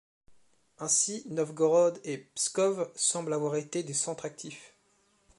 Ainsi Novgorod et Pskov semblent avoir été des centres actifs.